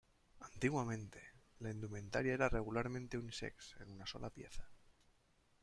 Antiguamente, la indumentaria era regularmente unisex en una sola pieza.